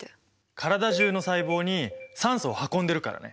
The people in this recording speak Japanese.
体中の細胞に酸素を運んでるからね。